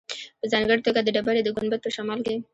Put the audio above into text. په ځانګړې توګه د ډبرې د ګنبد په شمال کې.